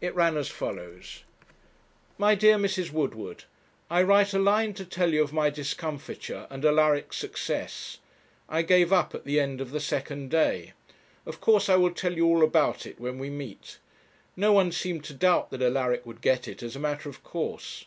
It ran as follows: 'My dear Mrs. Woodward, 'I write a line to tell you of my discomfiture and Alaric's success. I gave up at the end of the second day. Of course I will tell you all about it when we meet. No one seemed to doubt that Alaric would get it, as a matter of course.